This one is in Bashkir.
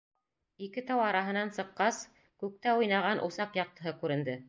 Ике тау араһынан сыҡҡас, күктә уйнаған усаҡ яҡтыһы күренде.